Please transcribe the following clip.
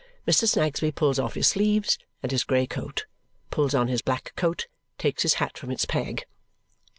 Mr. Snagsby pulls off his sleeves and his grey coat, pulls on his black coat, takes his hat from its peg.